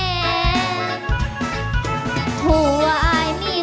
เธอเป็นผู้สาวขาเลียน